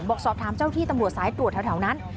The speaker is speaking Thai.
บอกสอบถามเจ้าที่ตำรวจสายตรวจแถวนั้น